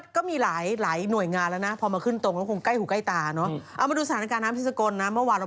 ก็คือขึ้นตรงกับสำนักนายกเลย